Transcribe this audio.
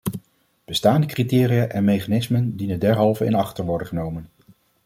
Bestaande criteria en mechanismen dienen derhalve in acht te worden genomen.